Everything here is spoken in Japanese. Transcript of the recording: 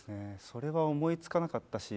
それは思いつかなかったし